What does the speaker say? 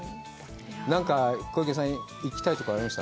なんか、小池さん、行きたいところ、ありました？